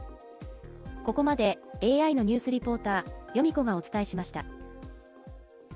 ここまでＡＩのニュースリポーター、ヨミ子がお伝えしました。